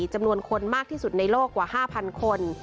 จำนวนคนมากที่สุดในโลกกว่า๕๐๐คน